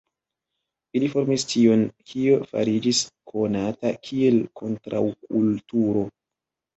Ili formis tion, kio fariĝis konata kiel kontraŭkulturo.